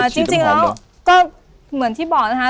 จริงแล้วก็เหมือนที่บอกนะคะ